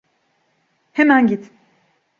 Hemen git.